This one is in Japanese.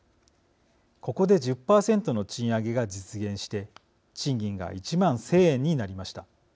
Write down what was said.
ここで１０％の賃上げが実現して賃金が１万１０００円になりました。